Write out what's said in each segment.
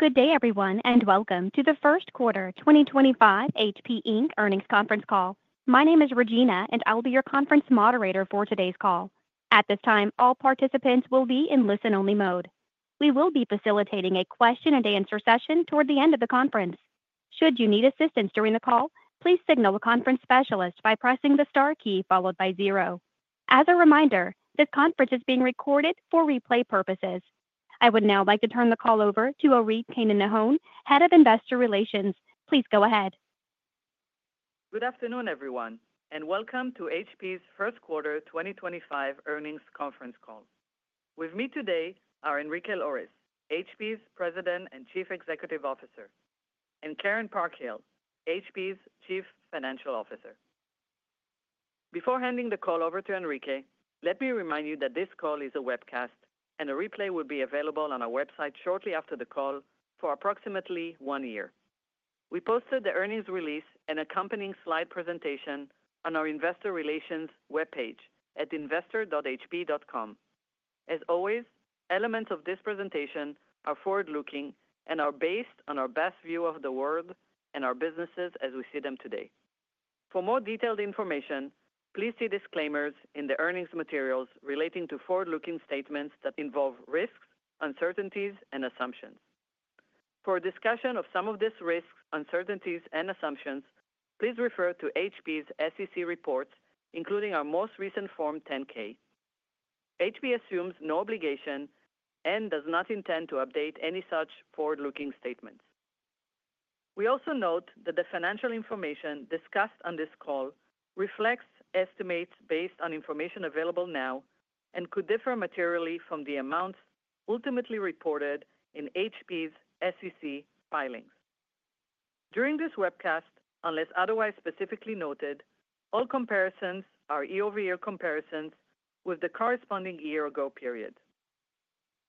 Good day, everyone, and welcome to the First Quarter 2025 HP Inc. earnings conference call. My name is Regina, and I will be your conference moderator for today's call. At this time, all participants will be in listen-only mode. We will be facilitating a question-and-answer session toward the end of the conference. Should you need assistance during the call, please signal a conference specialist by pressing the star key followed by zero. As a reminder, this conference is being recorded for replay purposes. I would now like to turn the call over to Orit Keinan-Nahon, Head of Investor Relations. Please go ahead. Good afternoon, everyone, and welcome to HP's First Quarter 2025 Earnings conference call. With me today are Enrique Lores, HP's President and Chief Executive Officer, and Karen Parkhill, HP's Chief Financial Officer. Before handing the call over to Enrique, let me remind you that this call is a webcast, and a replay will be available on our website shortly after the call for approximately one year. We posted the earnings release and accompanying slide presentation on our Investor Relations web page at investor.hp.com. As always, elements of this presentation are forward-looking and are based on our best view of the world and our businesses as we see them today. For more detailed information, please see disclaimers in the earnings materials relating to forward-looking statements that involve risks, uncertainties, and assumptions. For discussion of some of these risks, uncertainties, and assumptions, please refer to HP's SEC reports, including our most recent Form 10-K. HP assumes no obligation and does not intend to update any such forward-looking statements. We also note that the financial information discussed on this call reflects estimates based on information available now and could differ materially from the amounts ultimately reported in HP's SEC filings. During this webcast, unless otherwise specifically noted, all comparisons are year-over-year comparisons with the corresponding year ago period.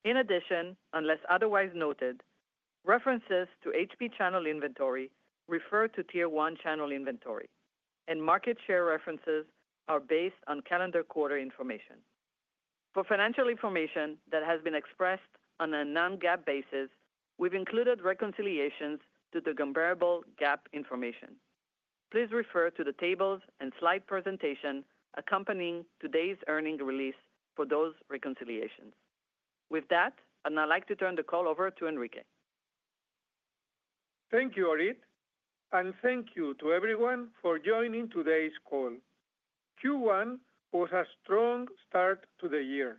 In addition, unless otherwise noted, references to HP channel inventory refer to tier one channel inventory, and market share references are based on calendar quarter information. For financial information that has been expressed on a non-GAAP basis, we've included reconciliations to the comparable GAAP information. Please refer to the tables and slide presentation accompanying today's earnings release for those reconciliations. With that, I'd now like to turn the call over to Enrique. Thank you, Orit, and thank you to everyone for joining today's call. Q1 was a strong start to the year.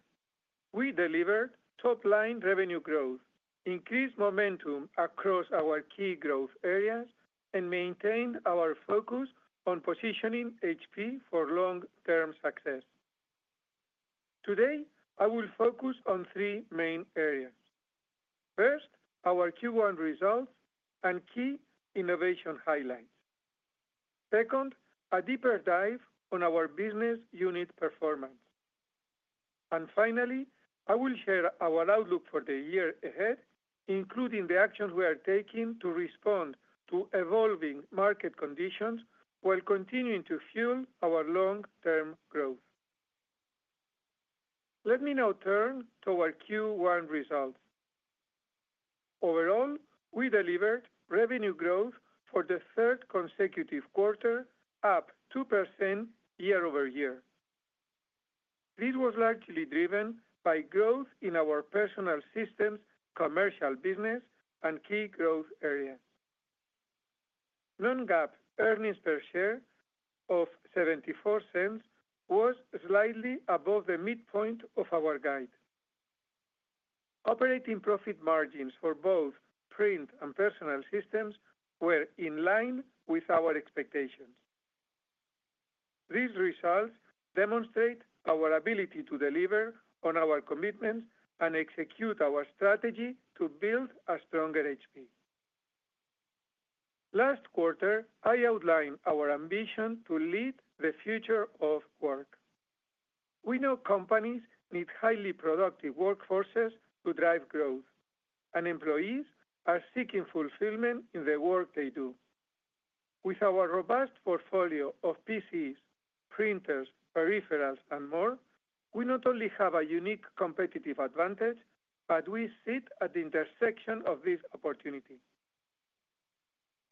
We delivered top-line revenue growth, increased momentum across our key growth areas, and maintained our focus on positioning HP for long-term success. Today, I will focus on three main areas. First, our Q1 results and key innovation highlights. Second, a deeper dive on our business unit performance. And finally, I will share our outlook for the year ahead, including the actions we are taking to respond to evolving market conditions while continuing to fuel our long-term growth. Let me now turn to our Q1 results. Overall, we delivered revenue growth for the third consecutive quarter, up 2% year-over-year. this was largely driven by growth in our Personal Systems, commercial business, and key growth areas. Non-GAAP earnings per share of $0.74 was slightly above the midpoint of our guide. Operating profit margins for both Print and Personal Systems were in line with our expectations. These results demonstrate our ability to deliver on our commitments and execute our strategy to build a stronger HP. Last quarter, I outlined our ambition to lead the Future of Work. We know companies need highly productive workforces to drive growth, and employees are seeking fulfillment in the work they do. With our robust portfolio of PCs, printers, peripherals, and more, we not only have a unique competitive advantage, but we sit at the intersection of this opportunity.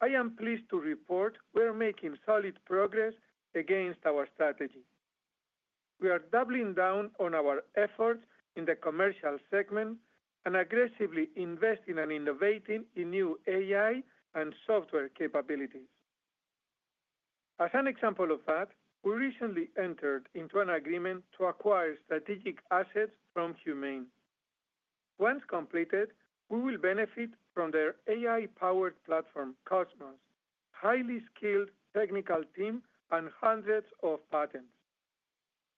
I am pleased to report we are making solid progress against our strategy. We are doubling down on our efforts in the commercial segment and aggressively investing and innovating in new AI and software capabilities. As an example of that, we recently entered into an agreement to acquire strategic assets from Humane. Once completed, we will benefit from their AI-powered platform, CosmOS, a highly skilled technical team and hundreds of patents.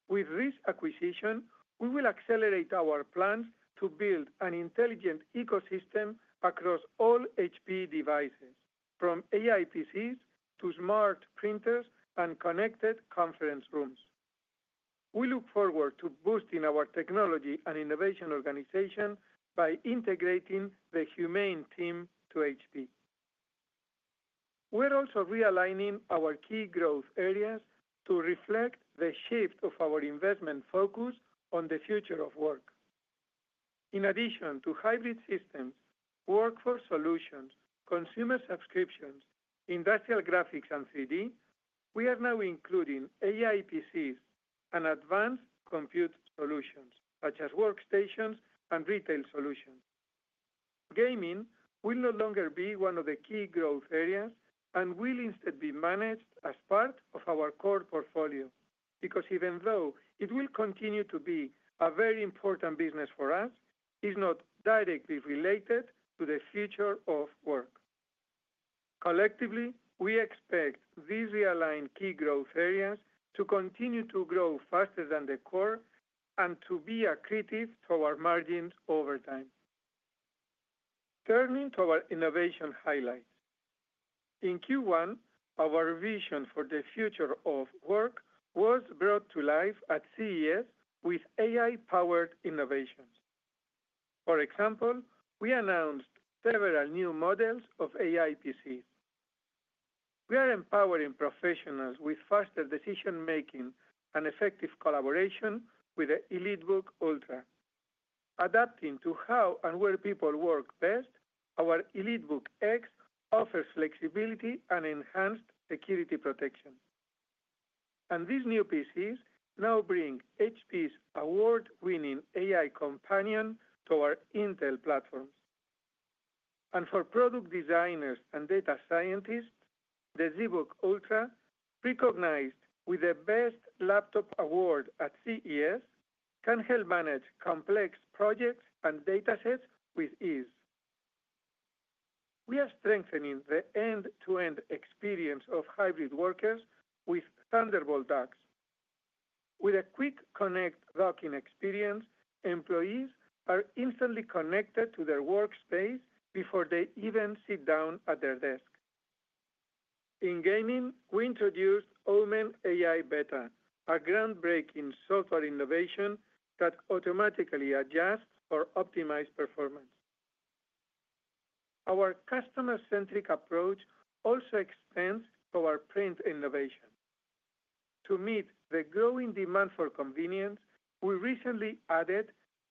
With this acquisition, we will accelerate our plans to build an intelligent ecosystem across all HP devices, from AI PCs to smart printers and connected conference rooms. We look forward to boosting our technology and innovation organization by integrating the Humane team to HP. We are also realigning our key growth areas to reflect the shift of our investment focus on the Future of Work. In addition to Hybrid Systems, Workforce Solutions, consumer subscriptions, Industrial Graphics, and 3D, we are now including AI PCs and Advanced Compute Solutions such as workstations and retail solutions. Gaming will no longer be one of the key growth areas and will instead be managed as part of our core portfolio because even though it will continue to be a very important business for us, it is not directly related to the Future of Work. Collectively, we expect these realign key growth areas to continue to grow faster than the core and to be accretive to our margins over time. Turning to our innovation highlights. In Q1, our vision for the Future of Work was brought to life at CES with AI-powered innovations. For example, we announced several new models of AI PCs. We are empowering professionals with faster decision-making and effective collaboration with the EliteBook Ultra. Adapting to how and where people work best, our EliteBook X offers flexibility and enhanced security protection. And these new PCs now bring HP's award-winning AI Companion to our Intel platforms. For product designers and data scientists, the ZBook Ultra, recognized with the best laptop award at CES, can help manage complex projects and data sets with ease. We are strengthening the end-to-end experience of hybrid workers with Thunderbolt Docks. With a quick connect docking experience, employees are instantly connected to their workspace before they even sit down at their desk. In gaming, we introduced OMEN AI Beta, a groundbreaking software innovation that automatically adjusts or optimizes performance. Our customer-centric approach also extends to our Print innovation. To meet the growing demand for convenience, we recently added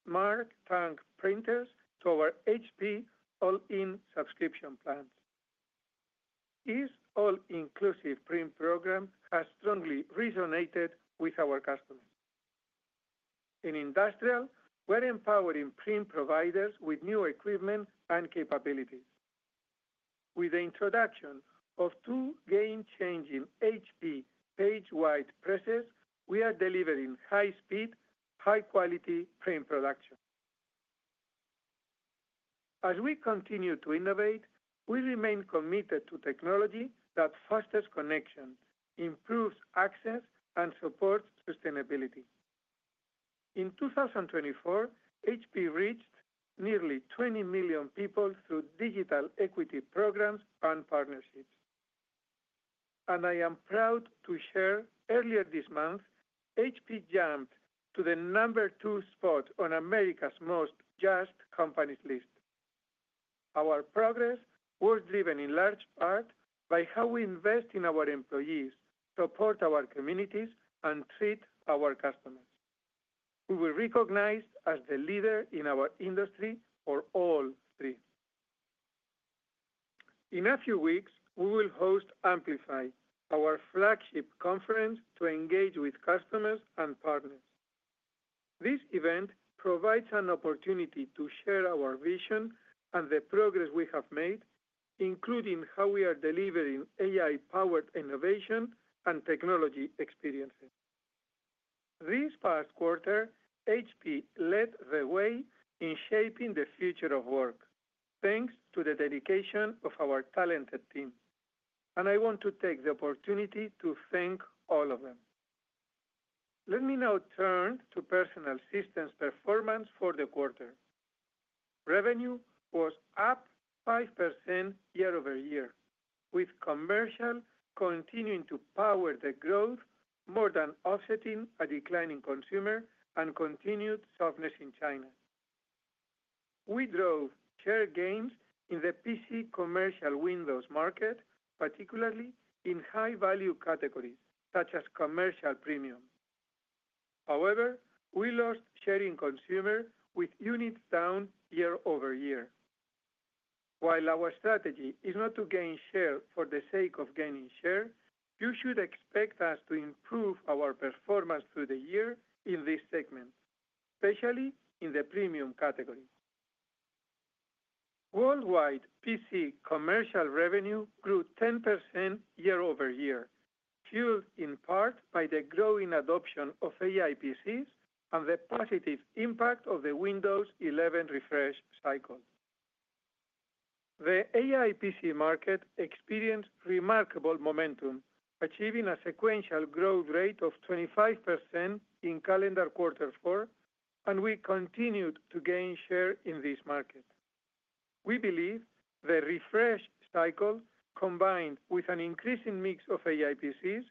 Smart Tank printers to our HP All-In Plan. This all-inclusive Print program has strongly resonated with our customers. In industrial, we're empowering Print providers with new equipment and capabilities. With the introduction of two game-changing HP PageWide Presses, we are delivering high-speed, high-quality Print production. As we continue to innovate, we remain committed to technology that fosters connection, improves access, and supports sustainability. In 2024, HP reached nearly 20 million people through digital equity programs and partnerships. And I am proud to share earlier this month, HP jumped to the number two spot on America's Most JUST Companies list. Our progress was driven in large part by how we invest in our employees, support our communities, and treat our customers. We were recognized as the leader in our industry for all three. In a few weeks, we will host Amplify, our flagship conference to engage with customers and partners. This event provides an opportunity to share our vision and the progress we have made, including how we are delivering AI-powered innovation and technology experiences. This past quarter, HP led the way in shaping the Future of Work, thanks to the dedication of our talented team. I want to take the opportunity to thank all of them. Let me now turn to Personal Systems performance for the quarter. Revenue was up year-over-year, with commercial continuing to power the growth, more than offsetting a declining consumer and continued softness in China. We drove share gains in the PC commercial Windows market, particularly in high-value categories such as commercial premium. However, we lost share in consumer with units year-over-year. while our strategy is not to gain share for the sake of gaining share, you should expect us to improve our performance through the year in this segment, especially in the premium category. Worldwide, PC commercial revenue grew 10% year-over-year, fueled in part by the growing adoption of AI PCs and the positive impact of the Windows 11 refresh cycle. The AI PC market experienced remarkable momentum, achieving a sequential growth rate of 25% in calendar quarter four, and we continued to gain share in this market. We believe the refresh cycle, combined with an increasing mix of AI PCs,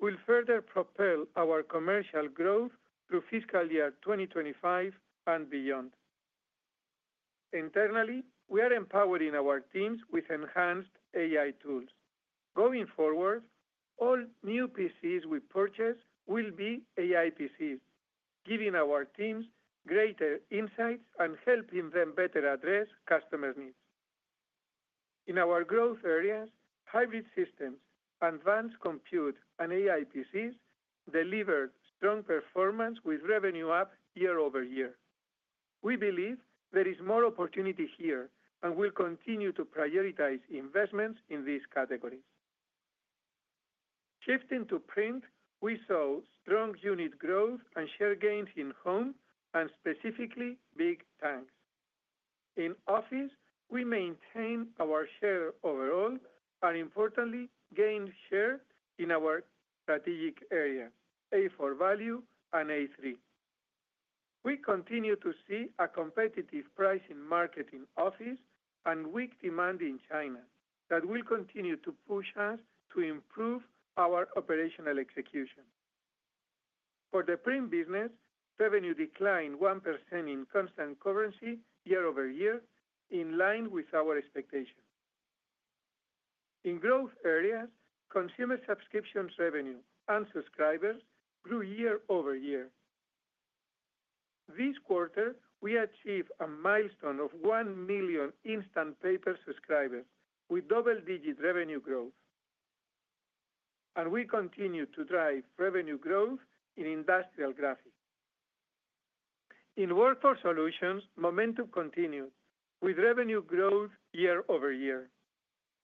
will further propel our commercial growth through fiscal year 2025 and beyond. Internally, we are empowering our teams with enhanced AI tools. Going forward, all new PCs we purchase will be AI PCs, giving our teams greater insights and helping them better address customer needs. In our growth areas, Hybrid Systems, advanced compute, and AI PCs delivered strong performance with revenue year-over-year. we believe there is more opportunity here and will continue to prioritize investments in these categories. Shifting to Print, we saw strong unit growth and share gains in home and specifically ink tank. In office, we maintain our share overall and importantly gained share in our strategic areas, A4 value and A3. We continue to see a competitive price in market in office and weak demand in China that will continue to push us to improve our operational execution. For the Print business, revenue declined 1% in constant year-over-year, in line with our expectation. In growth areas, consumer subscriptions revenue and subscribers year-over-year. this quarter, we achieved a milestone of 1 million Instant Paper subscribers with double-digit revenue growth, and we continue to drive revenue growth in Industrial Graphics. In Workforce Solutions, momentum continued with revenue year-over-year.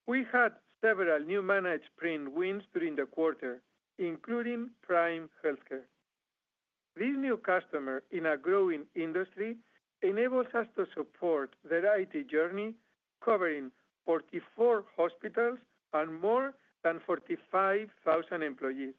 we had several new managed Print wins during the quarter, including Prime Healthcare. This new customer in a growing industry enables us to support the IT journey, covering 44 hospitals and more than 45,000 employees.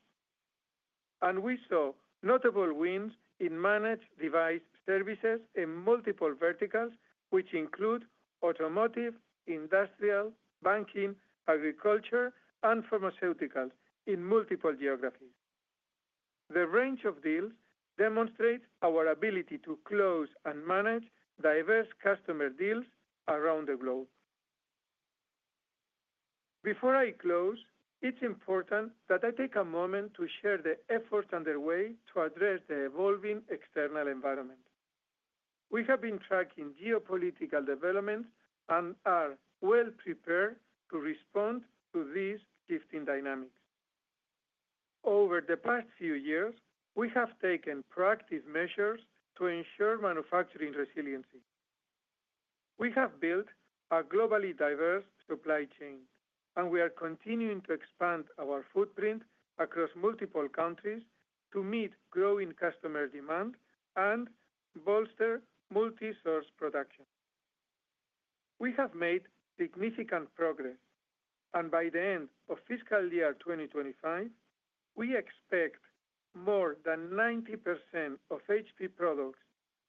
And we saw notable wins in managed device services in multiple verticals, which include automotive, industrial, banking, agriculture, and pharmaceuticals in multiple geographies. The range of deals demonstrates our ability to close and manage diverse customer deals around the globe. Before I close, it's important that I take a moment to share the efforts underway to address the evolving external environment. We have been tracking geopolitical developments and are well prepared to respond to these shifting dynamics. Over the past few years, we have taken proactive measures to ensure manufacturing resiliency. We have built a globally diverse supply chain, and we are continuing to expand our footprint across multiple countries to meet growing customer demand and bolster multi-source production. We have made significant progress, and by the end of fiscal year 2025, we expect more than 90% of HP products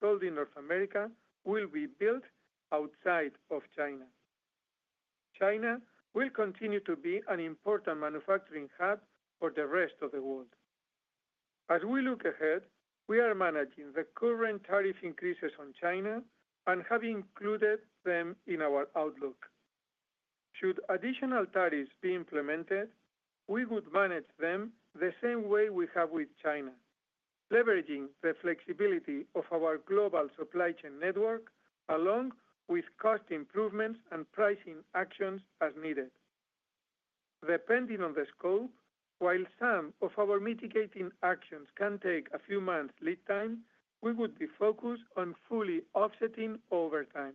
sold in North America will be built outside of China. China will continue to be an important manufacturing hub for the rest of the world. As we look ahead, we are managing the current tariff increases on China and have included them in our outlook. Should additional tariffs be implemented, we would manage them the same way we have with China, leveraging the flexibility of our global supply chain network along with cost improvements and pricing actions as needed. Depending on the scope, while some of our mitigating actions can take a few months lead time, we would be focused on fully offsetting over time.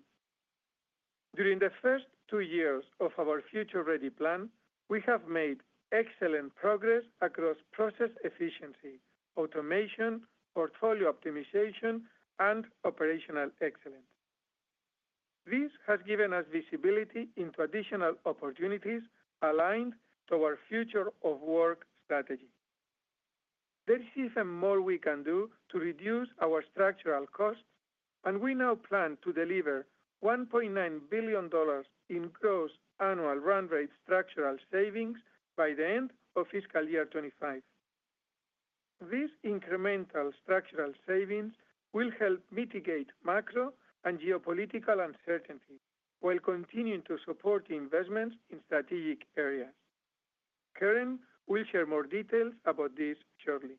During the first two years of our Future Ready plan, we have made excellent progress across process efficiency, automation, portfolio optimization, and operational excellence. This has given us visibility into additional opportunities aligned to our Future of Work strategy. There is even more we can do to reduce our structural costs, and we now plan to deliver $1.9 billion in gross annual run rate structural savings by the end of fiscal year 2025. This incremental structural savings will help mitigate macro and geopolitical uncertainty while continuing to support investments in strategic areas. Karen will share more details about this shortly.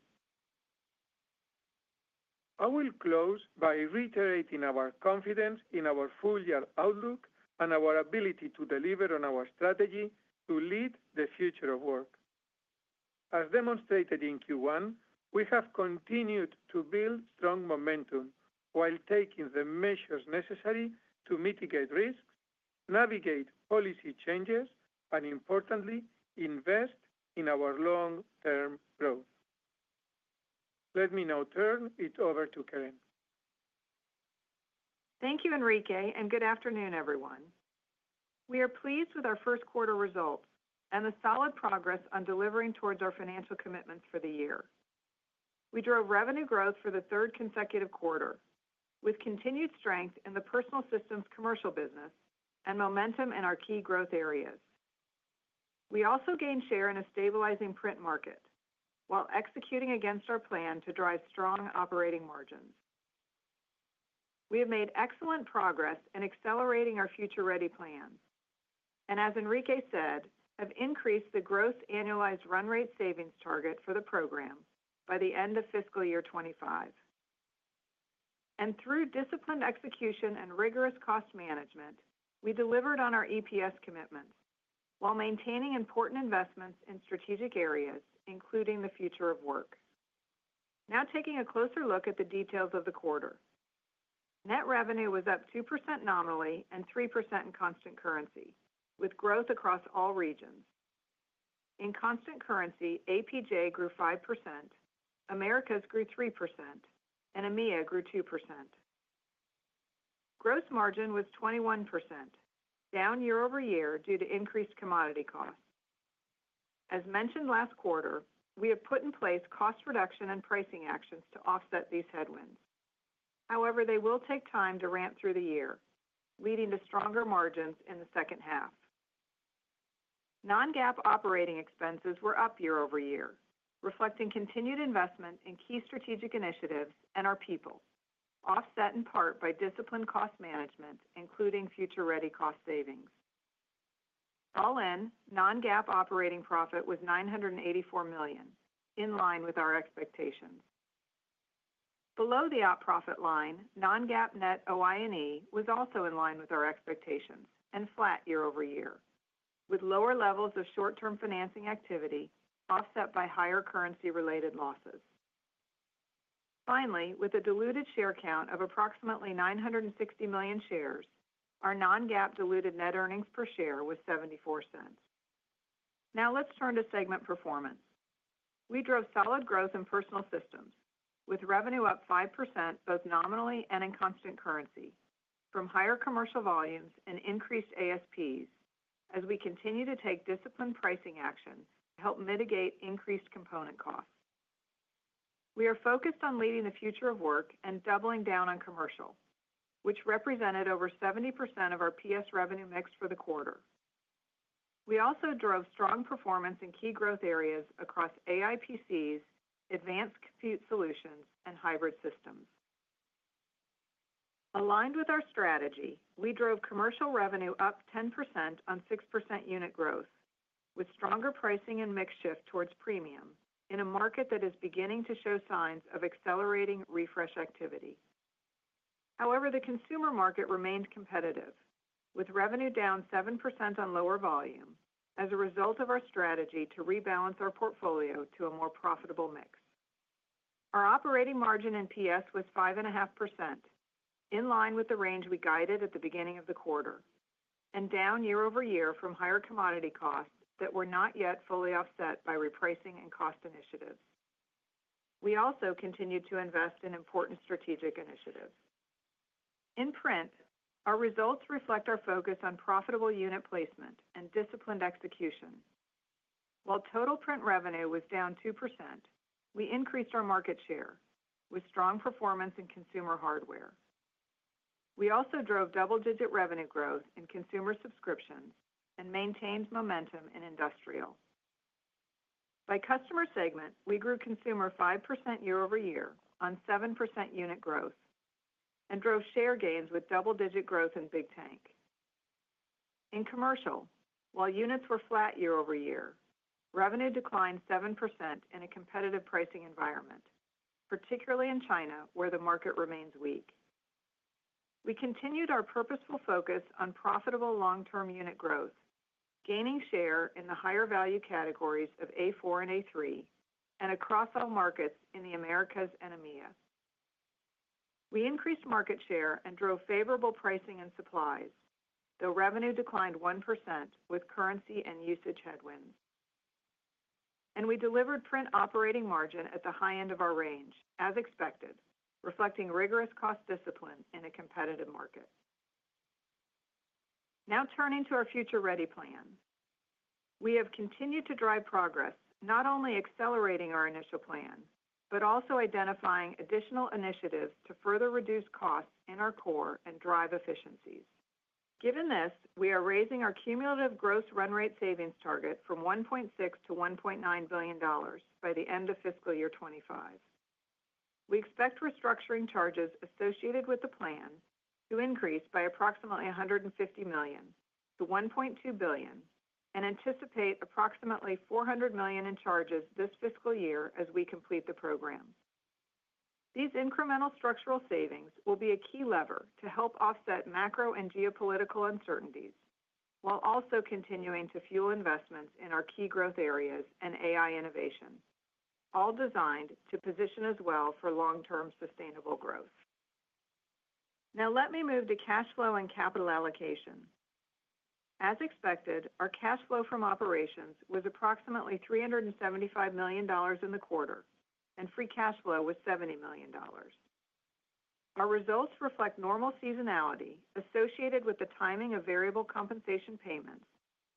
I will close by reiterating our confidence in our full year outlook and our ability to deliver on our strategy to lead the Future of Work. As demonstrated in Q1, we have continued to build strong momentum while taking the measures necessary to mitigate risks, navigate policy changes, and importantly, invest in our long-term growth. Let me now turn it over to Karen. Thank you, Enrique, and good afternoon, everyone. We are pleased with our first quarter results and the solid progress on delivering towards our financial commitments for the year. We drove revenue growth for the third consecutive quarter with continued strength in the Personal Systems commercial business and momentum in our key growth areas. We also gained share in a stabilizing Print market while executing against our plan to drive strong operating margins. We have made excellent progress in accelerating our Future Ready plan and, as Enrique said, have increased the gross annualized run rate savings target for the program by the end of fiscal year 2025, and through disciplined execution and rigorous cost management, we delivered on our EPS commitments while maintaining important investments in strategic areas, including the Future of Work. Now taking a closer look at the details of the quarter, net revenue was up 2% nominally and 3% in constant currency, with growth across all regions. In constant currency, APJ grew 5%, Americas grew 3%, and EMEA grew 2%. Gross margin was 21%, year-over-year due to increased commodity costs. As mentioned last quarter, we have put in place cost reduction and pricing actions to offset these headwinds. However, they will take time to ramp through the year, leading to stronger margins in the second half. Non-GAAP operating expenses were year-over-year, reflecting continued investment in key strategic initiatives and our people, offset in part by disciplined cost management, including Future Ready cost savings. All in, non-GAAP operating profit was $984 million, in line with our expectations. Below the operating profit line, non-GAAP net OI&E was also in line with our expectations and year-over-year, with lower levels of short-term financing activity offset by higher currency-related losses. Finally, with a diluted share count of approximately 960 million shares, our non-GAAP diluted net earnings per share was $0.74. Now let's turn to segment performance. We drove solid growth in Personal Systems with revenue up 5% both nominally and in constant currency from higher commercial volumes and increased ASPs as we continue to take disciplined pricing actions to help mitigate increased component costs. We are focused on leading the Future of Work and doubling down on commercial, which represented over 70% of our PS revenue mix for the quarter. We also drove strong performance in key growth areas across AI PCs, Advanced Compute Solutions, and Hybrid Systems. Aligned with our strategy, we drove commercial revenue up 10% on 6% unit growth with stronger pricing and mix shift towards premium in a market that is beginning to show signs of accelerating refresh activity. However, the consumer market remained competitive with revenue down 7% on lower volume as a result of our strategy to rebalance our portfolio to a more profitable mix. Our operating margin in PS was 5.5%, in line with the range we guided at the beginning of the quarter and year-over-year from higher commodity costs that were not yet fully offset by repricing and cost initiatives. We also continued to invest in important strategic initiatives. In Print, our results reflect our focus on profitable unit placement and disciplined execution. While total Print revenue was down 2%, we increased our market share with strong performance in consumer hardware. We also drove double-digit revenue growth in consumer subscriptions and maintained momentum in industrial. By customer segment, we grew consumer year-over-year on 7% unit growth and drove share gains with double-digit growth in ink tank. In commercial, while units were year-over-year, revenue declined 7% in a competitive pricing environment, particularly in China where the market remains weak. We continued our purposeful focus on profitable long-term unit growth, gaining share in the higher value categories of A4 and A3 and across all markets in the Americas and EMEA. We increased market share and drove favorable pricing and supplies, though revenue declined 1% with currency and usage headwinds, and we delivered Print operating margin at the high end of our range, as expected, reflecting rigorous cost discipline in a competitive market. Now turning to our Future Ready plan, we have continued to drive progress, not only accelerating our initial plan, but also identifying additional initiatives to further reduce costs in our core and drive efficiencies. Given this, we are raising our cumulative gross run rate savings target from $1.6 billion-$1.9 billion by the end of fiscal year 2025. We expect restructuring charges associated with the plan to increase by approximately $150 million-$1.2 billion and anticipate approximately $400 million in charges this fiscal year as we complete the program. These incremental structural savings will be a key lever to help offset macro and geopolitical uncertainties while also continuing to fuel investments in our key growth areas and AI innovation, all designed to position us well for long-term sustainable growth. Now let me move to cash flow and capital allocation. As expected, our cash flow from operations was approximately $375 million in the quarter, and free cash flow was $70 million. Our results reflect normal seasonality associated with the timing of variable compensation payments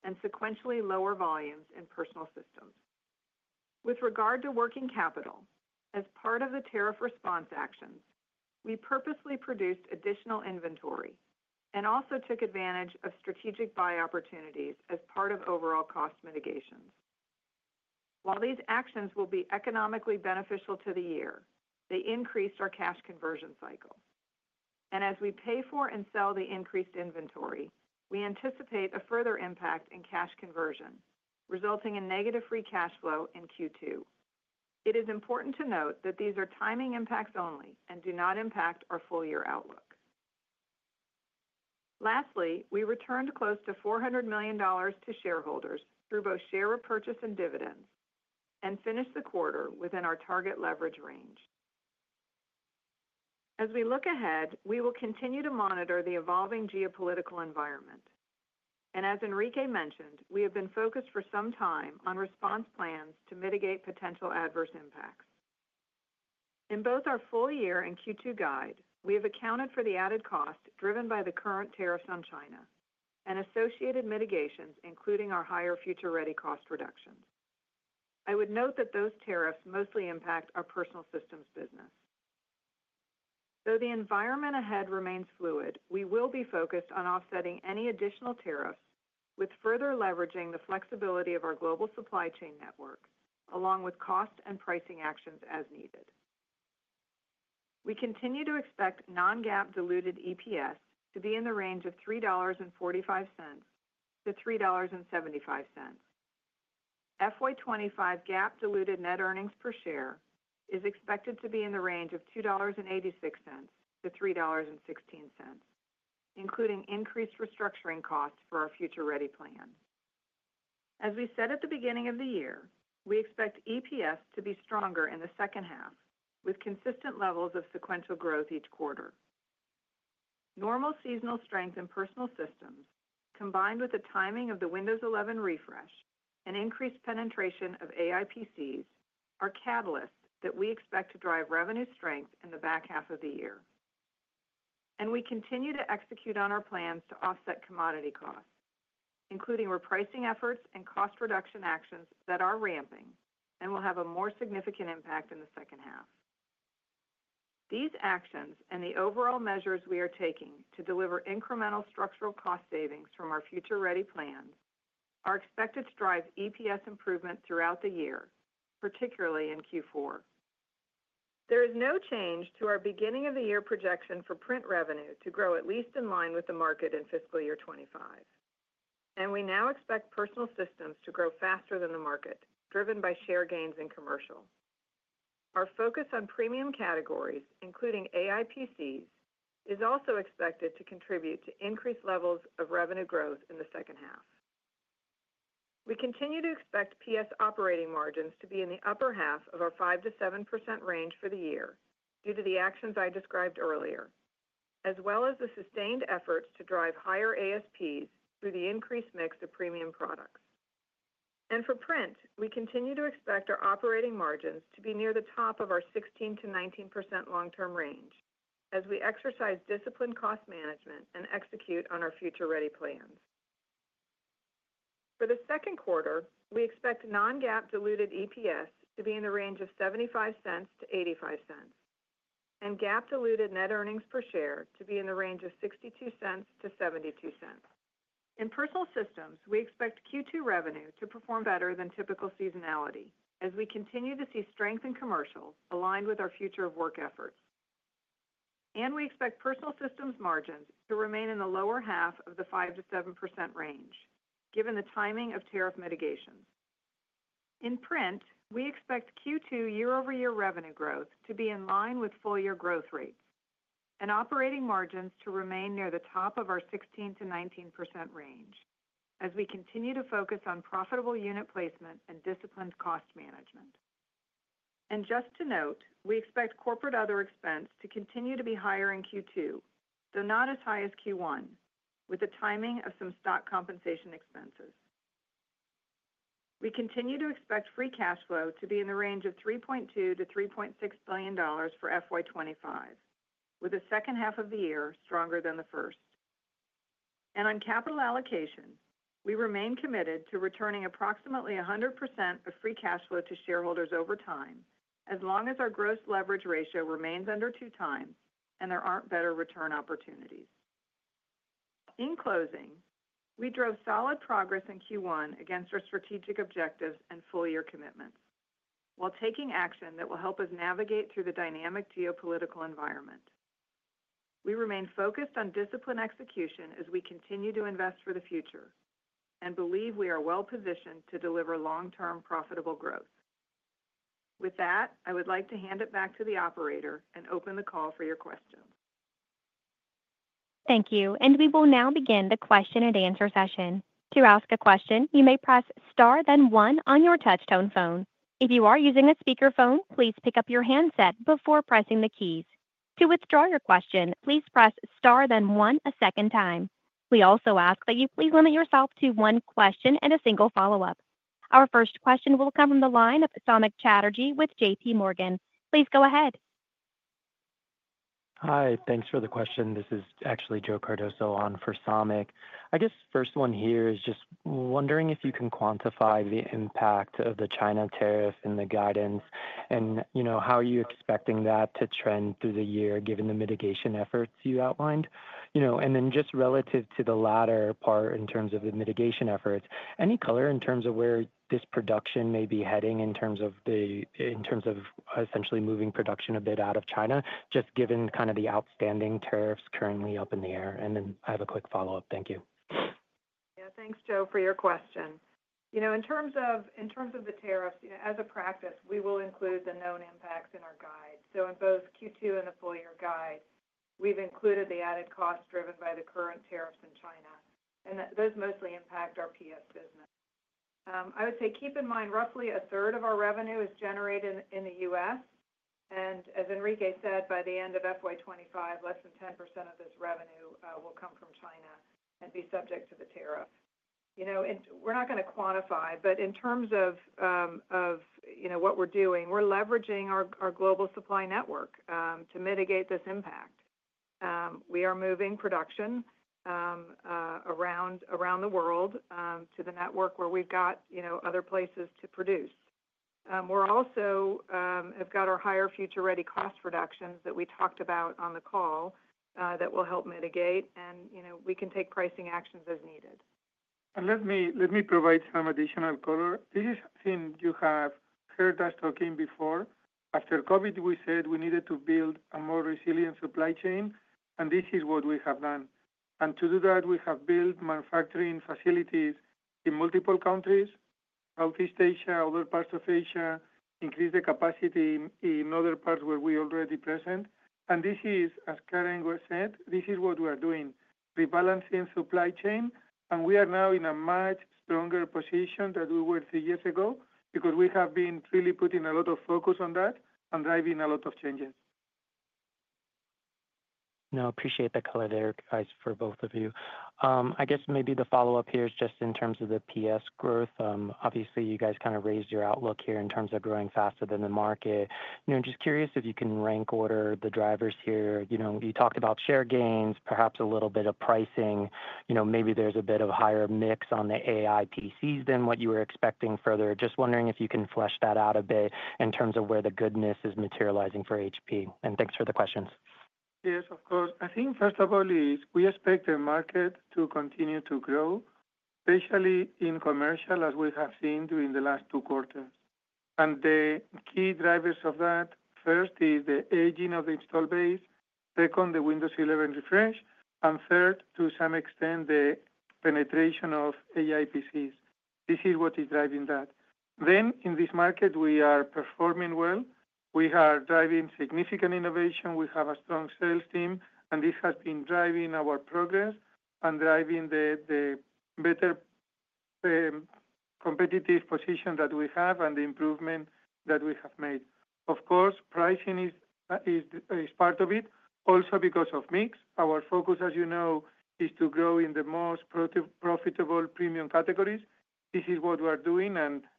and sequentially lower volumes in Personal Systems. With regard to working capital, as part of the tariff response actions, we purposely produced additional inventory and also took advantage of strategic buy opportunities as part of overall cost mitigations. While these actions will be economically beneficial to the year, they increased our cash conversion cycle, and as we pay for and sell the increased inventory, we anticipate a further impact in cash conversion, resulting in negative free cash flow in Q2. It is important to note that these are timing impacts only and do not impact our full year outlook. Lastly, we returned close to $400 million to shareholders through both share repurchase and dividends and finished the quarter within our target leverage range. As we look ahead, we will continue to monitor the evolving geopolitical environment. And as Enrique mentioned, we have been focused for some time on response plans to mitigate potential adverse impacts. In both our full year and Q2 guide, we have accounted for the added cost driven by the current tariffs on China and associated mitigations, including our higher Future Ready cost reductions. I would note that those tariffs mostly impact our Personal Systems business. Though the environment ahead remains fluid, we will be focused on offsetting any additional tariffs with further leveraging the flexibility of our global supply chain network, along with cost and pricing actions as needed. We continue to expect non-GAAP diluted EPS to be in the range of $3.45-$3.75. FY25 GAAP diluted net earnings per share is expected to be in the range of $2.86-$3.16, including increased restructuring costs for our Future Ready plan. As we said at the beginning of the year, we expect EPS to be stronger in the second half with consistent levels of sequential growth each quarter. Normal seasonal strength in Personal Systems, combined with the timing of the Windows 11 refresh and increased penetration of AI PCs, are catalysts that we expect to drive revenue strength in the back half of the year, and we continue to execute on our plans to offset commodity costs, including repricing efforts and cost reduction actions that are ramping and will have a more significant impact in the second half. These actions and the overall measures we are taking to deliver incremental structural cost savings from our Future Ready plan are expected to drive EPS improvement throughout the year, particularly in Q4. There is no change to our beginning of the year projection for Print revenue to grow at least in line with the market in fiscal year 2025. And we now expect Personal Systems to grow faster than the market, driven by share gains in commercial. Our focus on premium categories, including AI PCs, is also expected to contribute to increased levels of revenue growth in the second half. We continue to expect PS operating margins to be in the upper half of our 5%-7% range for the year due to the actions I described earlier, as well as the sustained efforts to drive higher ASPs through the increased mix of premium products. And for Print, we continue to expect our operating margins to be near the top of our 16%-19% long-term range as we exercise disciplined cost management and execute on our Future Ready plan. For the second quarter, we expect non-GAAP diluted EPS to be in the range of $0.75-$0.85 and GAAP diluted net earnings per share to be in the range of $0.62-$0.72. In Personal Systems, we expect Q2 revenue to perform better than typical seasonality as we continue to see strength in commercial aligned with our Future of Work efforts. And we expect Personal Systems margins to remain in the lower1/2 of the 5%-7% range, given the timing of tariff mitigations. In Print, we expect Q2 year-over-year revenue growth to be in line with full year growth rates and operating margins to remain near the top of our 16%-19% range as we continue to focus on profitable unit placement and disciplined cost management. And just to note, we expect corporate other expense to continue to be higher in Q2, though not as high as Q1, with the timing of some stock compensation expenses. We continue to expect free cash flow to be in the range of $3.2-$3.6 billion for FY25, with the second half of the year stronger than the first. And on capital allocation, we remain committed to returning approximately 100% of free cash flow to shareholders over time as long as our gross leverage ratio remains under two times and there aren't better return opportunities. In closing, we drove solid progress in Q1 against our strategic objectives and full-year commitments while taking action that will help us navigate through the dynamic geopolitical environment. We remain focused on disciplined execution as we continue to invest for the future and believe we are well positioned to deliver long-term profitable growth. With that, I would like to hand it back to the operator and open the call for your questions. Thank you. And we will now begin the question and answer session. To ask a question, you may press star, then one on your touchtone phone. If you are using a speakerphone, please pick up your handset before pressing the keys. To withdraw your question, please press star, then one a second time. We also ask that you please limit yourself to one question and a single follow-up. Our first question will come from the line of Samik Chatterjee with JPMorgan. Please go ahead. Hi. Thanks for the question. This is actually Joe Cardoso on for Samik. I guess first one here is just wondering if you can quantify the impact of the China tariff in the guidance and how are you expecting that to trend through the year given the mitigation efforts you outlined? And then just relative to the latter part in terms of the mitigation efforts, any color in terms of where this production may be heading in terms of essentially moving production a bit out of China, just given kind of the outstanding tariffs currently up in the air? And then I have a quick follow-up. Thank you. Yeah. Thanks, Joe, for your question. In terms of the tariffs, as a practice, we will include the known impacts in our guide. In both Q2 and the full year guide, we've included the added cost driven by the current tariffs in China. Those mostly impact our PS business. I would say keep in mind roughly a third of our revenue is generated in the U.S. As Enrique said, by the end of FY25, less than 10% of this revenue will come from China and be subject to the tariff. We're not going to quantify, but in terms of what we're doing, we're leveraging our global supply network to mitigate this impact. We are moving production around the world to the network where we've got other places to produce. We also have got our higher Future Ready cost reductions that we talked about on the call that will help mitigate. We can take pricing actions as needed. Let me provide some additional color. This is something you have heard us talking about before. After COVID, we said we needed to build a more resilient supply chain. This is what we have done. To do that, we have built manufacturing facilities in multiple countries, Southeast Asia, other parts of Asia, increased the capacity in other parts where we are already present. This is, as Karen said, what we are doing, rebalancing supply chain. We are now in a much stronger position than we were three years ago because we have been really putting a lot of focus on that and driving a lot of changes. I appreciate the color there, guys, for both of you. I guess maybe the follow-up here is just in terms of the PS growth. Obviously, you guys kind of raised your outlook here in terms of growing faster than the market. I'm just curious if you can rank order the drivers here. You talked about share gains, perhaps a little bit of pricing. Maybe there's a bit of higher mix on the AI PCs than what you were expecting further. Just wondering if you can flesh that out a bit in terms of where the goodness is materializing for HP. And thanks for the questions. Yes, of course. I think first of all is we expect the market to continue to grow, especially in commercial, as we have seen during the last two quarters. And the key drivers of that, first, is the aging of the install base. Second, the Windows 11 refresh. And third, to some extent, the penetration of AI PCs. This is what is driving that. Then in this market, we are performing well. We are driving significant innovation. We have a strong sales team. This has been driving our progress and driving the better competitive position that we have and the improvement that we have made. Of course, pricing is part of it, also because of mix. Our focus, as you know, is to grow in the most profitable premium categories. This is what we are doing.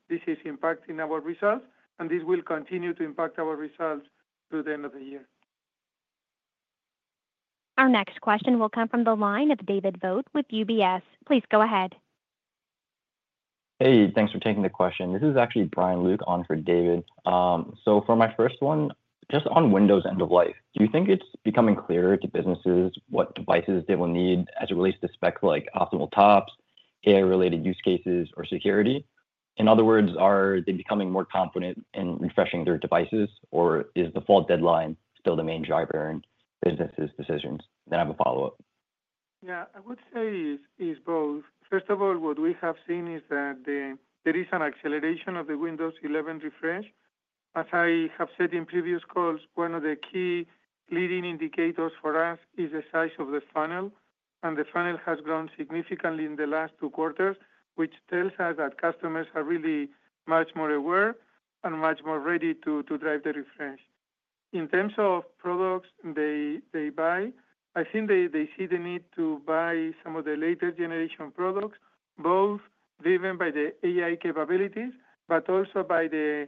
This is impacting our results. This will continue to impact our results through the end of the year. Our next question will come from the line of David Vogt with UBS. Please go ahead. Hey, thanks for taking the question. This is actually Brian Luke on for David. For my first one, just on Windows end of life, do you think it's becoming clearer to businesses what devices they will need as it relates to specs like optimal TOPS, AI-related use cases, or security? In other words, are they becoming more confident in refreshing their devices, or is the fall deadline still the main driver in businesses' decisions? Then I have a follow-up. Yeah, I would say it's both. First of all, what we have seen is that there is an acceleration of the Windows 11 refresh. As I have said in previous calls, one of the key leading indicators for us is the size of the funnel. And the funnel has grown significantly in the last two quarters, which tells us that customers are really much more aware and much more ready to drive the refresh. In terms of products they buy, I think they see the need to buy some of the later generation products, both driven by the AI capabilities, but also by the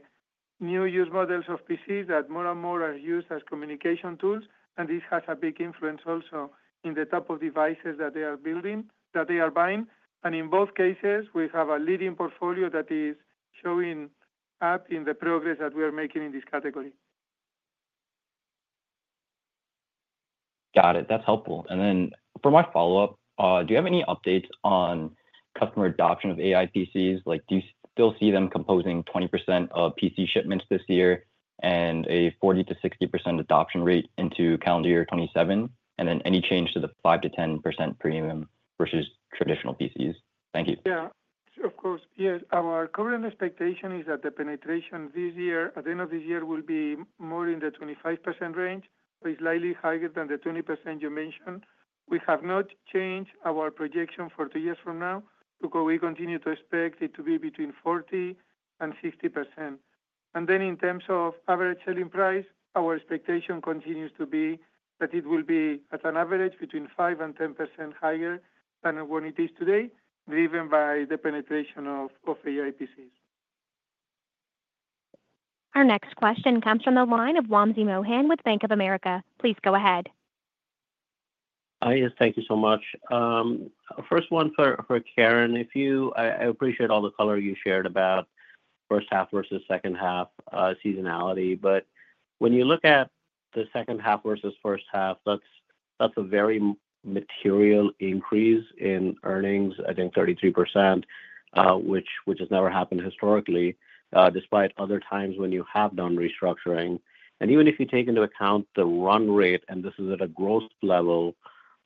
new use models of PCs that more and more are used as communication tools. And this has a big influence also in the type of devices that they are building, that they are buying. And in both cases, we have a leading portfolio that is showing up in the progress that we are making in this category. Got it. That's helpful. And then for my follow-up, do you have any updates on customer adoption of AI PCs? Do you still see them composing 20% of PC shipments this year and a 40%-60% adoption rate into calendar year 2027? And then any change to the 5%-10% premium versus traditional PCs? Thank you. Yeah, of course. Yes, our current expectation is that the penetration this year, at the end of this year, will be more in the 25% range, but it's slightly higher than the 20% you mentioned. We have not changed our projection for two years from now. We continue to expect it to be between 40% and 60%. And then in terms of average selling price, our expectation continues to be that it will be, at an average, between 5% and 10% higher than what it is today, driven by the penetration of AI PCs. Our next question comes from the line of Wamsi Mohan with Bank of America. Please go ahead. Hi, yes, thank you so much. First one for Karen, I appreciate all the color you shared about first half versus second half seasonality. But when you look at the second half versus first half, that's a very material increase in earnings, I think 33%, which has never happened historically, despite other times when you have done restructuring. Even if you take into account the run rate, and this is at a gross level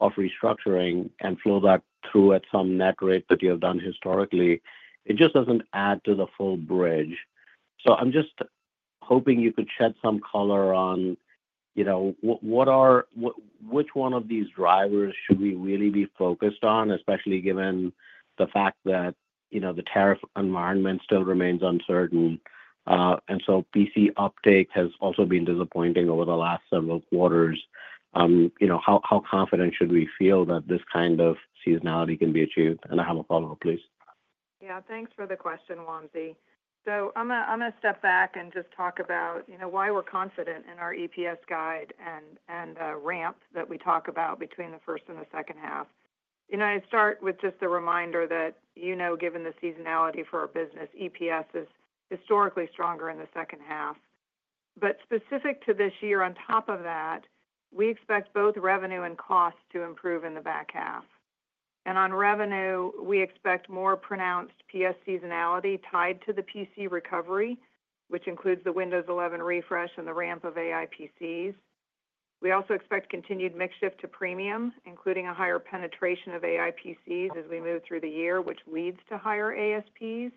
of restructuring and flow that through at some net rate that you have done historically, it just doesn't add to the full bridge. So I'm just hoping you could shed some color on which one of these drivers should we really be focused on, especially given the fact that the tariff environment still remains uncertain. And so PC uptake has also been disappointing over the last several quarters. How confident should we feel that this kind of seasonality can be achieved? And I have a follow-up, please. Yeah, thanks for the question, Wamsi. So I'm going to step back and just talk about why we're confident in our EPS guide and ramp that we talk about between the first and the second half. I start with just the reminder that, given the seasonality for our business, EPS is historically stronger in the second half. But specific to this year, on top of that, we expect both revenue and cost to improve in the back half. And on revenue, we expect more pronounced PS seasonality tied to the PC recovery, which includes the Windows 11 refresh and the ramp of AI PCs. We also expect continued mix shift to premium, including a higher penetration of AI PCs as we move through the year, which leads to higher ASPs.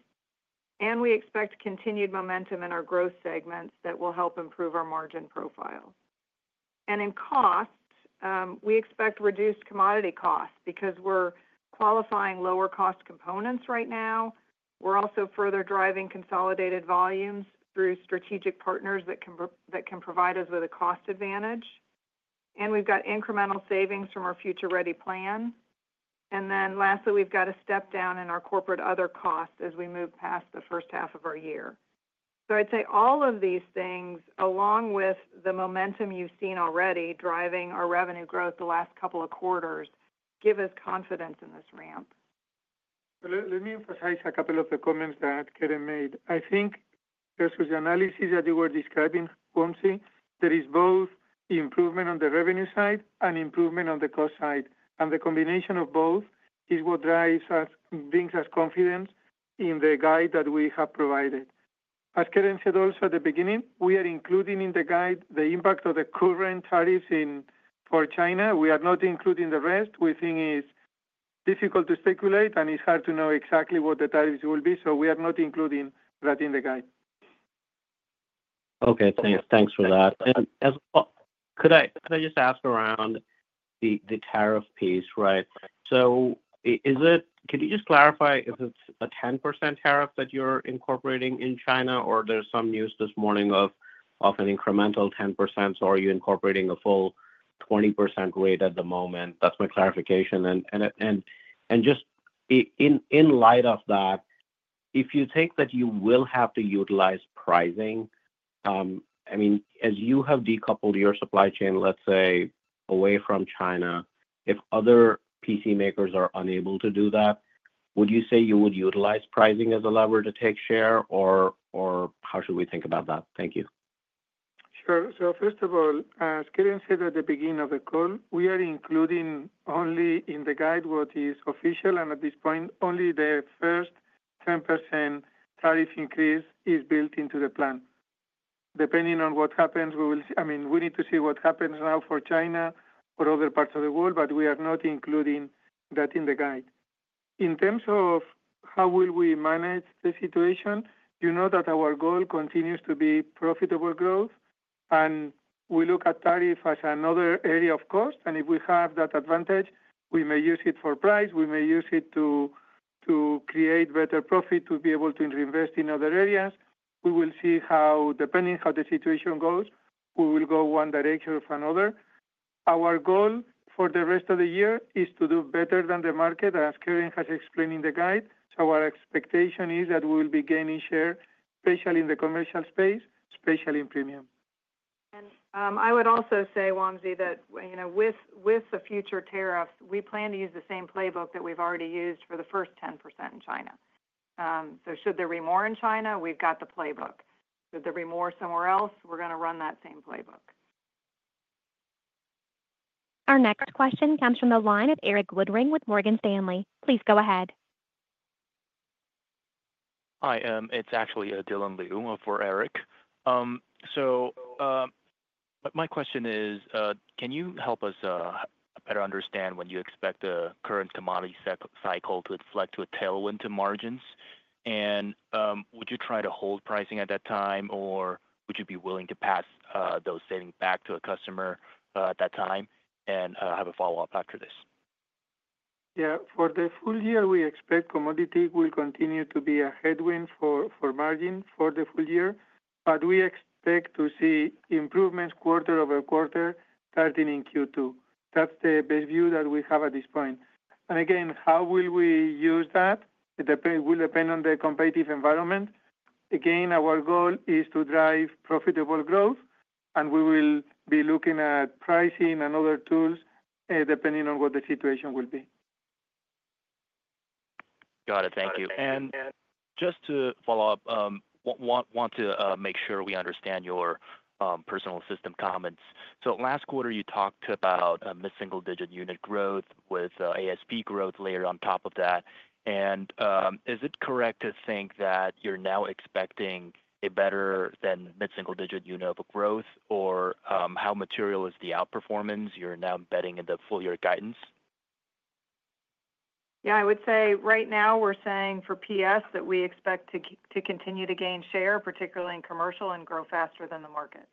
And we expect continued momentum in our growth segments that will help improve our margin profile. And in cost, we expect reduced commodity costs because we're qualifying lower-cost components right now. We're also further driving consolidated volumes through strategic partners that can provide us with a cost advantage. And we've got incremental savings from our Future Ready plan. And then lastly, we've got a step down in our corporate other costs as we move past the first half of our year. So I'd say all of these things, along with the momentum you've seen already driving our revenue growth the last couple of quarters, give us confidence in this ramp. Let me emphasize a couple of the comments that Karen made. I think, versus the analysis that you were describing, Wamsi, there is both improvement on the revenue side and improvement on the cost side. And the combination of both is what brings us confidence in the guide that we have provided. As Karen said also at the beginning, we are including in the guide the impact of the current tariffs for China. We are not including the rest. We think it's difficult to speculate, and it's hard to know exactly what the tariffs will be. So we are not including that in the guide. Okay, thanks for that. And could I just ask around the tariff piece, right? So could you just clarify if it's a 10% tariff that you're incorporating in China, or there's some news this morning of an incremental 10%, or are you incorporating a full 20% rate at the moment? That's my clarification. And just in light of that, if you think that you will have to utilize pricing, I mean, as you have decoupled your supply chain, let's say, away from China, if other PC makers are unable to do that, would you say you would utilize pricing as a lever to take share, or how should we think about that? Thank you. Sure. So first of all, as Karen said at the beginning of the call, we are including only in the guide what is official. And at this point, only the first 10% tariff increase is built into the plan. Depending on what happens, I mean, we need to see what happens now for China, for other parts of the world, but we are not including that in the guide. In terms of how will we manage the situation, you know that our goal continues to be profitable growth. And we look at tariff as another area of cost. And if we have that advantage, we may use it for price. We may use it to create better profit to be able to reinvest in other areas. We will see how, depending on how the situation goes, we will go one direction or another. Our goal for the rest of the year is to do better than the market, as Karen has explained in the guide. So our expectation is that we will be gaining share, especially in the commercial space, especially in premium. And I would also say, Wamsi, that with the future tariffs, we plan to use the same playbook that we've already used for the first 10% in China. So should there be more in China, we've got the playbook. Should there be more somewhere else, we're going to run that same playbook. Our next question comes from the line of Erik Woodring with Morgan Stanley. Please go ahead. Hi, it's actually Dylan Liu for Erik. So my question is, can you help us better understand when you expect the current commodity cycle to reflect a tailwind to margins? Would you try to hold pricing at that time, or would you be willing to pass those savings back to a customer at that time? I have a follow-up after this. Yeah, for the full year, we expect commodity will continue to be a headwind for margin for the full year. We expect to see improvements quarter-over-quarter, starting in Q2. That's the best view that we have at this point. Again, how will we use that? It will depend on the competitive environment. Again, our goal is to drive profitable growth. We will be looking at pricing and other tools depending on what the situation will be. Got it. Thank you. Just to follow up, want to make sure we understand your Personal Systems comments. So last quarter, you talked about mid-single-digit unit growth with ASP growth layered on top of that. And is it correct to think that you're now expecting a better than mid-single-digit unit of growth, or how material is the outperformance you're now betting in the full year guidance? Yeah, I would say right now we're saying for PS that we expect to continue to gain share, particularly in commercial, and grow faster than the market.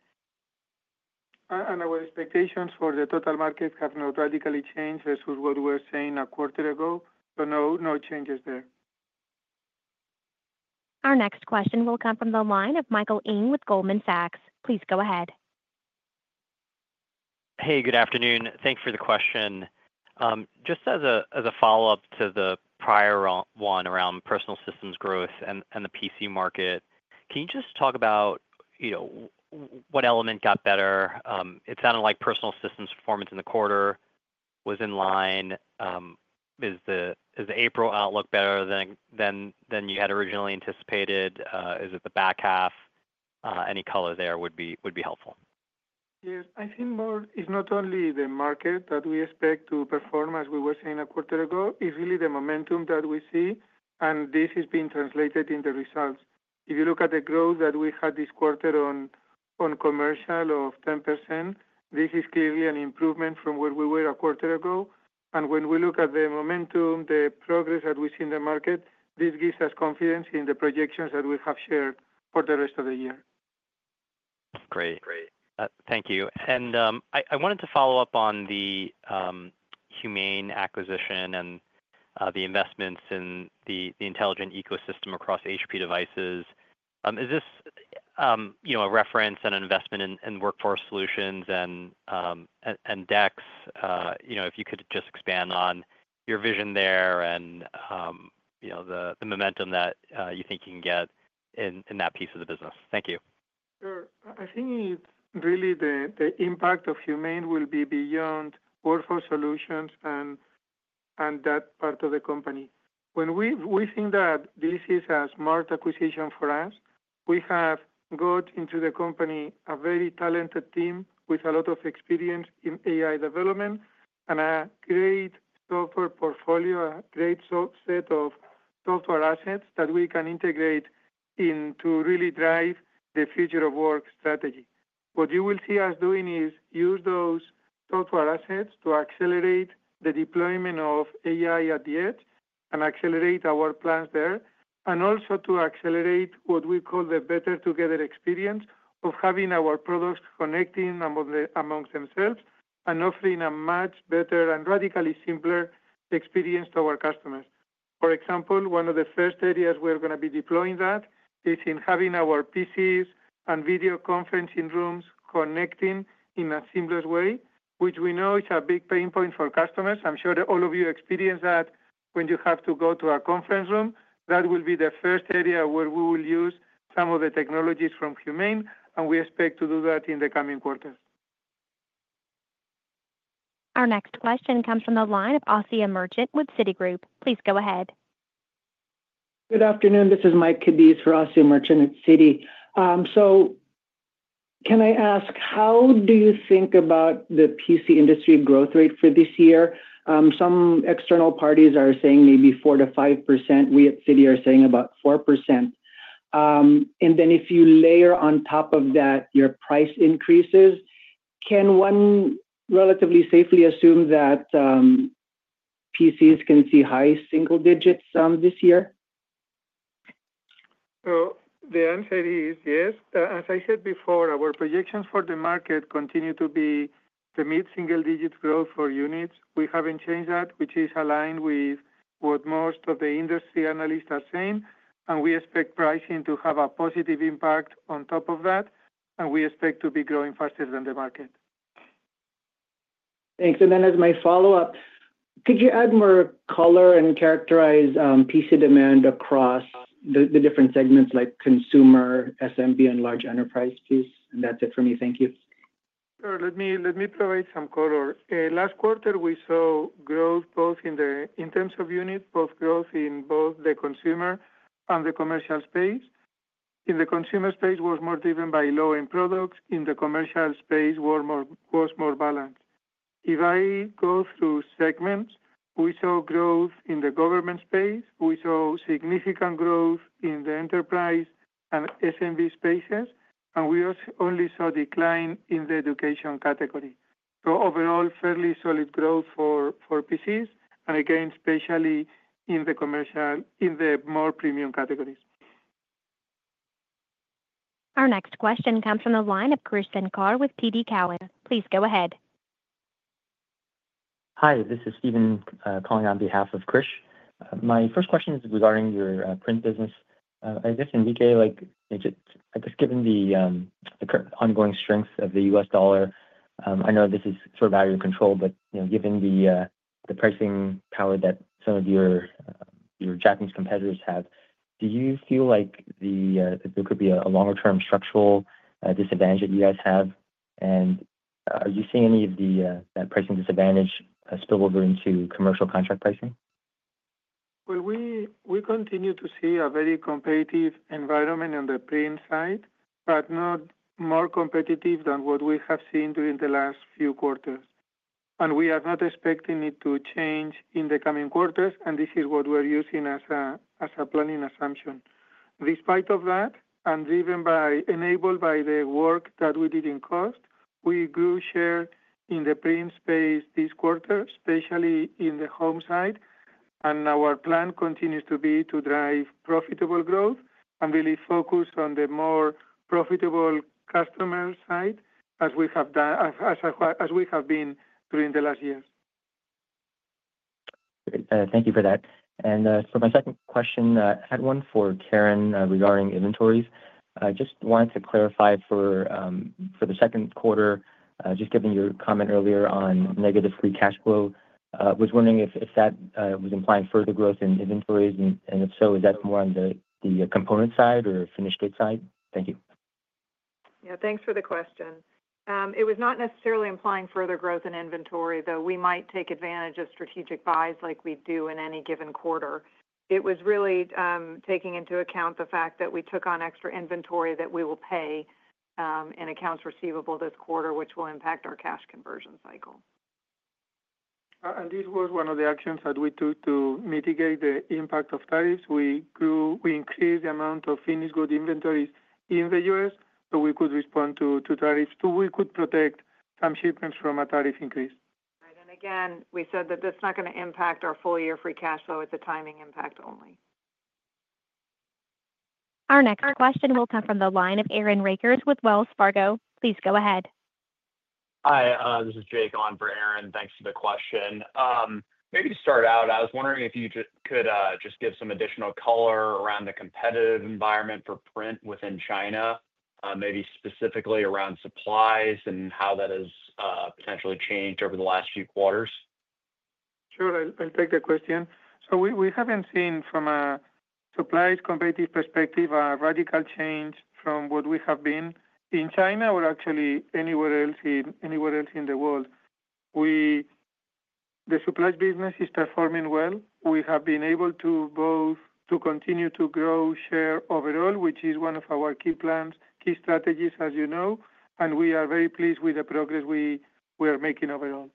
And our expectations for the total market have not radically changed versus what we were saying a quarter ago. So no, no changes there. Our next question will come from the line of Michael Ng with Goldman Sachs. Please go ahead. Hey, good afternoon. Thanks for the question. Just as a follow-up to the prior one around Personal Systems growth and the PC market, can you just talk about what element got better? It sounded like Personal Systems performance in the quarter was in line. Is the April outlook better than you had originally anticipated? Is it the back half? Any color there would be helpful. Yes, I think more is not only the market that we expect to perform, as we were saying a quarter ago. It's really the momentum that we see. And this is being translated in the results. If you look at the growth that we had this quarter on commercial of 10%, this is clearly an improvement from where we were a quarter ago. And when we look at the momentum, the progress that we see in the market, this gives us confidence in the projections that we have shared for the rest of the year. Great. Thank you. And I wanted to follow up on the Humane acquisition and the investments in the intelligent ecosystem across HP devices. Is this a reference and an investment in Workforce Solutions and DEX? If you could just expand on your vision there and the momentum that you think you can get in that piece of the business? Thank you. Sure. I think really the impact of Humane will be beyond Workforce Solutions and that part of the company. We think that this is a smart acquisition for us. We have got into the company a very talented team with a lot of experience in AI development and a great software portfolio, a great set of software assets that we can integrate into really drive the Future of Work strategy. What you will see us doing is use those software assets to accelerate the deployment of AI at the edge and accelerate our plans there, and also to accelerate what we call the better together experience of having our products connecting amongst themselves and offering a much better and radically simpler experience to our customers. For example, one of the first areas we're going to be deploying that is in having our PCs and video conferencing rooms connecting in a seamless way, which we know is a big pain point for customers. I'm sure all of you experience that when you have to go to a conference room. That will be the first area where we will use some of the technologies from Humane, and we expect to do that in the coming quarters. Our next question comes from the line of Asiya Merchant with Citigroup. Please go ahead. Good afternoon. This is Michael Cadiz for Asiya Merchant at Citi. Can I ask, how do you think about the PC industry growth rate for this year? Some external parties are saying maybe 4%-5%. We at Citi are saying about 4%. And then if you layer on top of that your price increases, can one relatively safely assume that PCs can see high single digits this year? So the answer is yes. As I said before, our projections for the market continue to be the mid-single digit growth for units. We haven't changed that, which is aligned with what most of the industry analysts are saying. And we expect pricing to have a positive impact on top of that. And we expect to be growing faster than the market. Thanks. And then as my follow-up, could you add more color and characterize PC demand across the different segments like consumer, SMB, and large enterprise PC? And that's it for me. Thank you. Sure. Let me provide some color. Last quarter, we saw growth both in terms of units, both growth in both the consumer and the commercial space. In the consumer space, it was more driven by low-end products. In the commercial space, it was more balanced. If I go through segments, we saw growth in the government space. We saw significant growth in the enterprise and SMB spaces. And we only saw a decline in the education category. So overall, fairly solid growth for PCs, and again, especially in the more premium categories. Our next question comes from the line of Krish Sankar with TD Cowen. Please go ahead. Hi, this is Stephen calling on behalf of Krish. My first question is regarding your Print business. I guess, Enrique, I guess given the ongoing strength of the U.S. dollar, I know this is sort of out of your control, but given the pricing power that some of your Japanese competitors have, do you feel like there could be a longer-term structural disadvantage that you guys have? And are you seeing any of that pricing disadvantage spill over into commercial contract pricing? Well, we continue to see a very competitive environment on the Print side, but not more competitive than what we have seen during the last few quarters. And we are not expecting it to change in the coming quarters. And this is what we're using as a planning assumption. Despite that, and enabled by the work that we did in cost, we grew share in the Print space this quarter, especially in the home side. And our plan continues to be to drive profitable growth and really focus on the more profitable customer side as we have been during the last years. Thank you for that. And for my second question, I had one for Karen regarding inventories. Just wanted to clarify for the second quarter, just given your comment earlier on negative free cash flow, was wondering if that was implying further growth in inventories. And if so, is that more on the component side or finished goods side? Thank you. Yeah, thanks for the question. It was not necessarily implying further growth in inventory, though we might take advantage of strategic buys like we do in any given quarter. It was really taking into account the fact that we took on extra inventory that we will pay in accounts receivable this quarter, which will impact our cash conversion cycle. This was one of the actions that we took to mitigate the impact of tariffs. We increased the amount of finished goods inventories in the U.S. so we could respond to tariffs, so we could protect some shipments from a tariff increase. And again, we said that that's not going to impact our full year free cash flow. It's a timing impact only. Our next question will come from the line of Aaron Rakers with Wells Fargo. Please go ahead. Hi, this is Jake on for Aaron. Thanks for the question. Maybe to start out, I was wondering if you could just give some additional color around the competitive environment for Print within China, maybe specifically around supplies and how that has potentially changed over the last few quarters. Sure. I'll take the question. So, we haven't seen, from a supplies competitive perspective, a radical change from what we have been in China or actually anywhere else in the world. The supply business is performing well. We have been able to both continue to grow share overall, which is one of our key strategies, as you know. And we are very pleased with the progress we are making overall.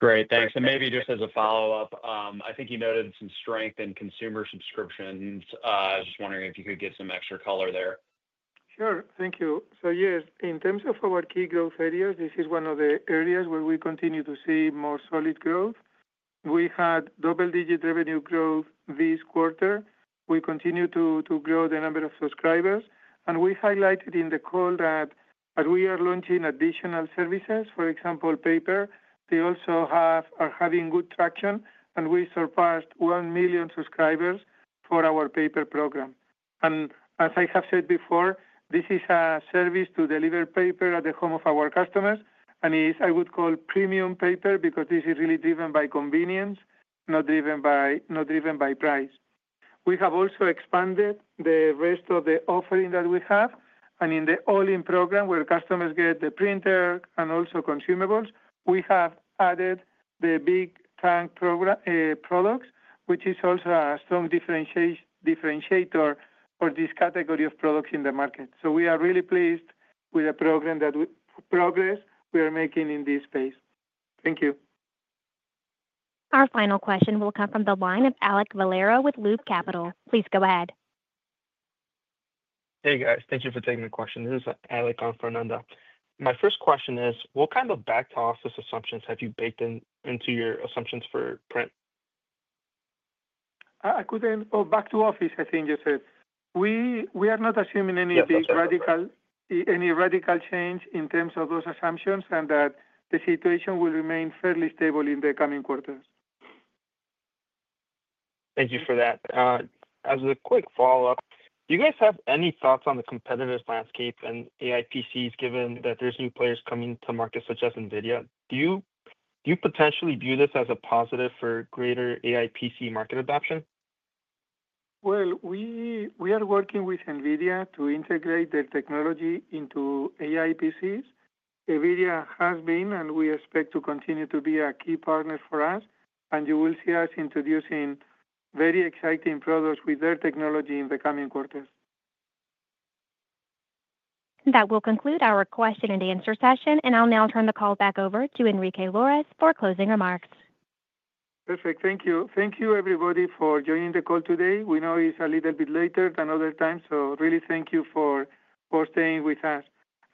Great. Thanks. And maybe just as a follow-up, I think you noted some strength in consumer subscriptions. I was just wondering if you could give some extra color there. Sure. Thank you. So yes, in terms of our key growth areas, this is one of the areas where we continue to see more solid growth. We had double-digit revenue growth this quarter. We continue to grow the number of subscribers. We highlighted in the call that as we are launching additional services, for example, paper, they also are having good traction. We surpassed 1 million subscribers for our paper program. As I have said before, this is a service to deliver paper at the home of our customers. It is, I would call, premium paper because this is really driven by convenience, not driven by price. We have also expanded the rest of the offering that we have. In the All-In program where customers get the printer and also consumables, we have added the ink tank products, which is also a strong differentiator for this category of products in the market. We are really pleased with the progress we are making in this space. Thank you. Our final question will come from the line of Alek Valero with Loop Capital. Please go ahead. Hey, guys. Thank you for taking the question. This is Alek Valero. My first question is, what kind of back-to-office assumptions have you baked into your assumptions for Print? Back-to-office, I think you said. We are not assuming any radical change in terms of those assumptions and that the situation will remain fairly stable in the coming quarters. Thank you for that. As a quick follow-up, do you guys have any thoughts on the competitive landscape and AI PCs given that there's new players coming to market such as NVIDIA? Do you potentially view this as a positive for greater AI PC market adoption? Well, we are working with NVIDIA to integrate their technology into AI PCs. NVIDIA has been, and we expect to continue to be a key partner for us. And you will see us introducing very exciting products with their technology in the coming quarters. That will conclude our question and answer session. And I'll now turn the call back over to Enrique Lores for closing remarks. Perfect. Thank you. Thank you, everybody, for joining the call today. We know it's a little bit later than other times. So really, thank you for staying with us.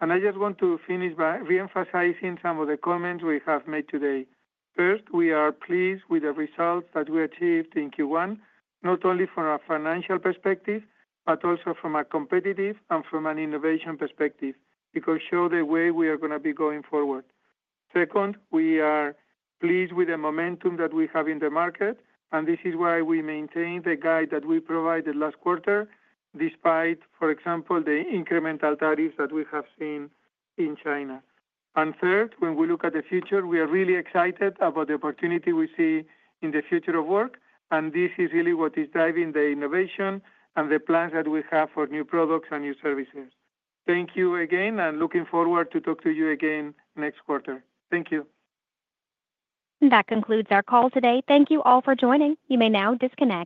And I just want to finish by re-emphasizing some of the comments we have made today. First, we are pleased with the results that we achieved in Q1, not only from a financial perspective, but also from a competitive and from an innovation perspective, because it shows the way we are going to be going forward. Second, we are pleased with the momentum that we have in the market. And this is why we maintain the guide that we provided last quarter, despite, for example, the incremental tariffs that we have seen in China. And third, when we look at the future, we are really excited about the opportunity we see in the Future of Work. And this is really what is driving the innovation and the plans that we have for new products and new services. Thank you again, and looking forward to talking to you again next quarter. Thank you. That concludes our call today. Thank you all for joining. You may now disconnect.